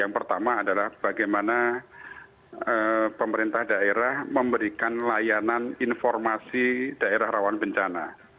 yang pertama adalah bagaimana pemerintah daerah memberikan layanan informasi daerah rawan bencana